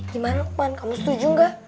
gimana luqman kamu setuju gak